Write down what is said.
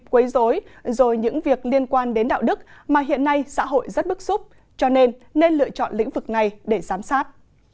quấy dối rồi những việc liên quan đến đạo đức mà hiện nay xã hội rất bức xúc cho nên nên lựa chọn lĩnh vực này để giám sát